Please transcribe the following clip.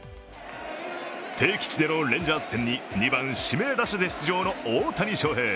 敵地でのレンジャーズ戦に２番・指名打者で出場の大谷翔平。